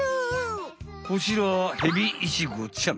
こちらはヘビイチゴちゃん。